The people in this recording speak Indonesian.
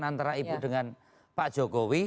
antara ibu dengan pak jokowi